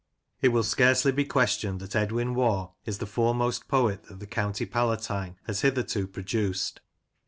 It will scarcely be questioned that Edwin Waugh is the foremost poet that the County Palatine has hitherto pro duced.